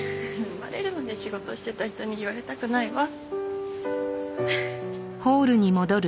生まれるまで仕事してた人に言われたくないわ。